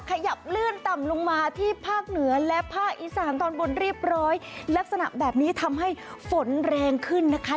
ขยับลื่นต่ำลงมาที่ภาคเหนือและภาคอีสานตอนบนเรียบร้อยลักษณะแบบนี้ทำให้ฝนแรงขึ้นนะคะ